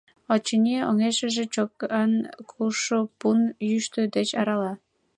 Очыни, оҥешыже чокан кушшо пун йӱштӧ деч арала.